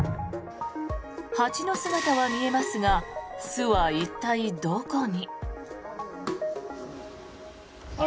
蜂の姿は見えますが巣は一体どこに。